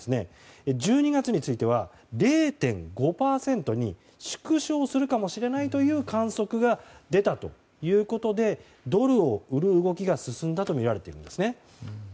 幅１２月については、０．５％に縮小するかもしれないという観測が出たということでドルを売る動きが進んだとみられているんですね。